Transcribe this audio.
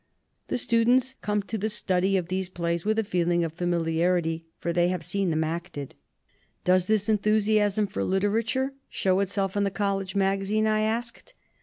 The students come to the study of these plays with a feeling of familiar ity, for they have seen them acted." "Does this enthusiasm for literature show it self in the college magazine?" I asked.